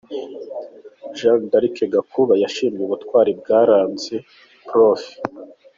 Jeanne D’Arc Gakuba yashimye ubutwari bwaranze Prof.